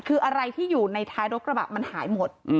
คืออะไรที่อยู่ในท้ายรถกระบะมันหายหมด